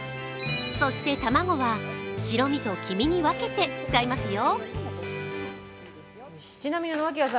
そして卵は、白身と黄身に分けて使いますよ。